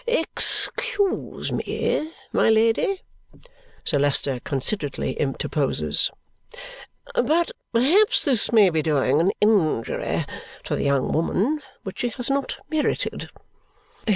"Excuse me, my Lady," Sir Leicester considerately interposes, "but perhaps this may be doing an injury to the young woman which she has not merited.